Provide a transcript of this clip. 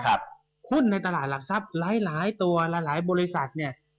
หุ้นในตลาดหลักทรัพย์หลายตัวหลายหลายบริษัทเนี่ย